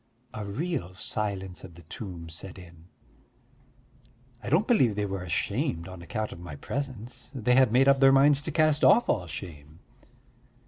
A real silence of the tomb set in. I don't believe they were ashamed on account of my presence: they had made up their minds to cast off all shame!